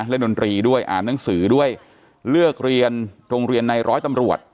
ดนตรีด้วยอ่านหนังสือด้วยเลือกเรียนโรงเรียนในร้อยตำรวจ